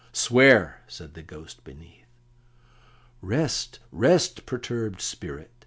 "Swear!" said the Ghost beneath. "Rest, rest, perturbed spirit!"